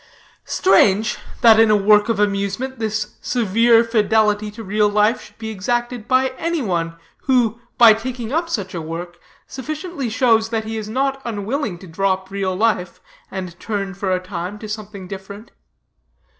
Strange, that in a work of amusement, this severe fidelity to real life should be exacted by any one, who, by taking up such a work, sufficiently shows that he is not unwilling to drop real life, and turn, for a time, to something different.